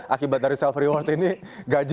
akibat dari self rewards ini gaji